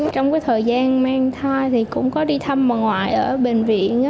trong thời gian mang thai thì cũng có đi thăm bà ngoại ở bệnh viện